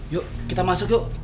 yuk kita masuk yuk